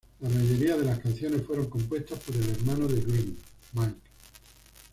La mayoría de las canciones fueron compuestas por el hermano de Green, Mike.